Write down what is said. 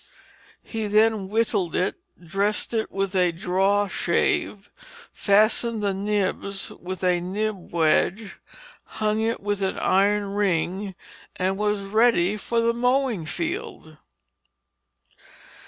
He then whittled it, dressed it with a draw shave, fastened the nebs with a neb wedge, hung it with an iron ring, and was ready for the mowing field.